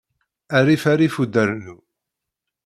Rrif rrif udarnu.